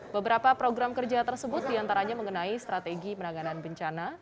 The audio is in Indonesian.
beberapa program kerja tersebut diantaranya mengenai strategi penanganan bencana